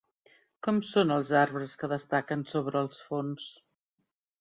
Com són els arbres que destaquen sobre els fons?